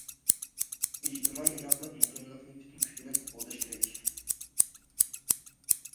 ئىجتىمائىي ئىناقلىق، مۇقىملىقنى پۈتۈن كۈچ بىلەن قوغداش كېرەك.